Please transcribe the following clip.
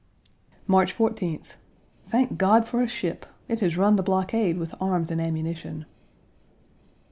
March 14th. Thank God for a ship! It has run the blockade with arms and ammunition.